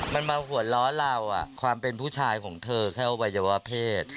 มันมาหัวล้อเราความเป็นผู้ชายของเธอแค่อวัยวะเพศ